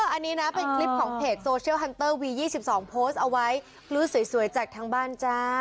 อันนี้นะเป็นคลิปของเพจโซเชียลวียี่สิบสองเอาไว้พลิวสวยสวยจากทั้งบ้านจ้า